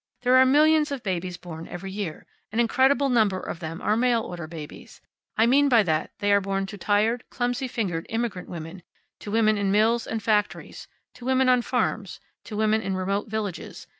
There are millions of babies born every year. An incredible number of them are mail order babies. I mean by that they are born to tired, clumsy fingered immigrant women, to women in mills and factories, to women on farms, to women in remote villages.